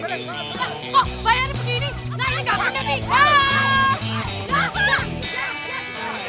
ma bayarnya pergi ini